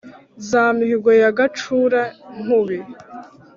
Za Mihigo ya Gacura-nkumbi,